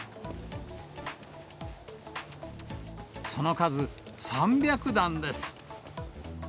その数３００段です。